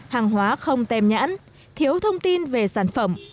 hàng hóa không tem nhãn thiếu thông tin về sản phẩm